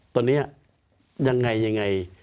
ตอนนี้ยังไง